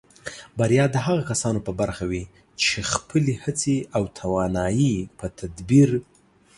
بریا د هغو کسانو په برخه وي چې خپلې هڅې او توانایۍ په تدبیر